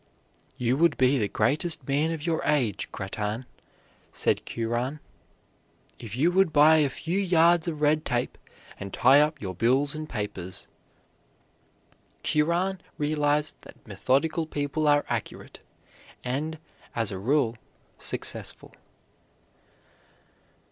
"You would be the greatest man of your age, Grattan," said Curran, "if you would buy a few yards of red tape and tie up your bills and papers." Curran realized that methodical people are accurate, and, as a rule, successful.